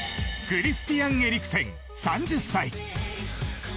クリスティアン・エリクセン３０歳。